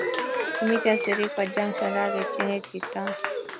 Kimiten sirikwa junction raa kechenge Chiton